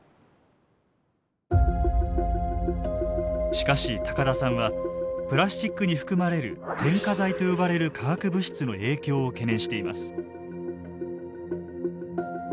しかし高田さんはプラスチックに含まれる添加剤と呼ばれる化学物質の影響を懸念しています。